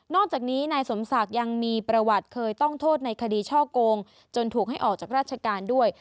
จากนี้นายสมศักดิ์ยังมีประวัติเคยต้องโทษในคดีช่อโกงจนถูกให้ออกจากราชการด้วย